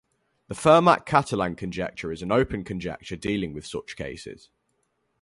The Fermat-Catalan conjecture is an open conjecture dealing with such cases.